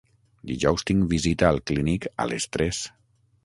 Dijous tinc visita al clínic a les tres.